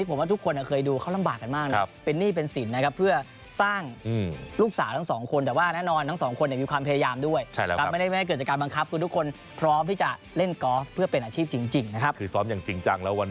ผมว่าทุกคนเคยดูเขาลำบากกันมากนะ